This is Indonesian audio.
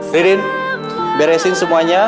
ridin beresin semuanya